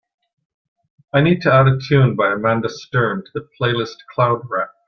I need to add a tune by Amanda Stern to the playlist cloud rap.